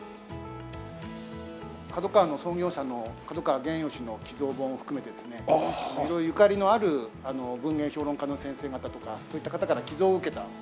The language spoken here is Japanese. ＫＡＤＯＫＡＷＡの創業者の角川源義の寄贈本を含めてですねゆかりのある文芸評論家の先生方とかそういった方から寄贈を受けた本。